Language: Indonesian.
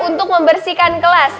untuk membersihkan kelas